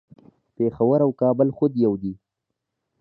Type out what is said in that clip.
پیښور او کابل خود یو دي